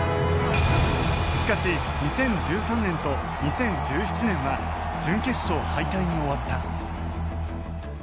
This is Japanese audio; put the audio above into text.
しかし２０１３年と２０１７年は準決勝敗退に終わった。